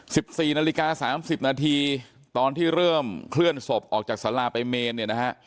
สิบสี่นาฬิกาสามสิบนาทีตอนที่เริ่มเคลื่อนศพออกจากสาราไปเมนเนี่ยนะฮะ